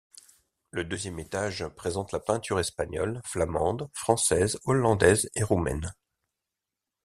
Le deuxième étage présente la peinture espagnole, flamande, française, hollandaise et roumaine.